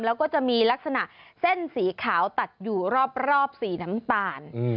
แล้วก็จะมีลักษณะเส้นสีขาวตัดอยู่รอบสีน้ำตาล